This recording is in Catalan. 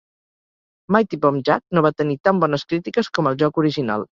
"Mighty Bomb Jack" no va tenir tan bones crítiques com el joc original.